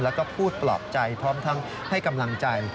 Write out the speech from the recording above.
แล้วก็พูดปลอบใจพร้อมทั้งให้กำลังใจ